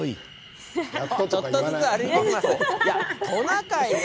ちょっとずつ歩いてきました。